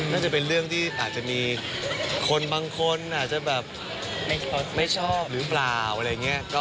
น่าจะเป็นเรื่องที่อาจจะมีคนบางคนอาจจะแบบไม่ชอบหรือเปล่าอะไรอย่างนี้